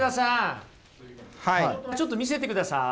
ちょっと見せてください。